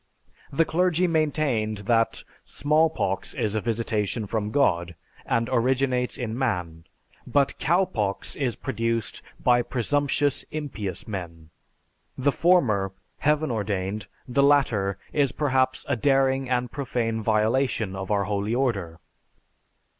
The clergy maintained that "Smallpox is a visitation from God, and originates in man, but Cowpox is produced by presumptious, impious men. The former, heaven ordained, the latter is perhaps a daring and profane violation of our holy order."